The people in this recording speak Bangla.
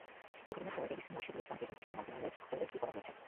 এ ঘটনার পর এডিসি মুর্শিদুল ইসলামকে জনপ্রশাসন মন্ত্রণালয়ে ওএসডি করা হয়েছে।